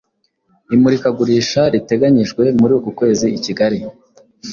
imurikagurisha riteganyijwe muri uku kwezi i kigali